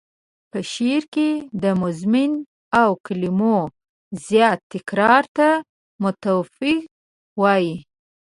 په شعر کې د مضمون او کلمو زیات تکرار ته موتیف وايي.